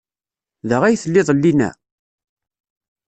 Da ay tellid llinna?